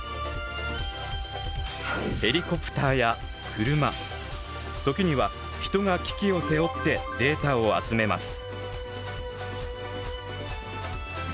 ヘリコプターや車時には人が機器を背負ってデータを集めます。